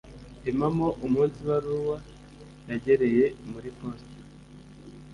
Impamo Umunsi Ibaruwa Yagereye Muri Posita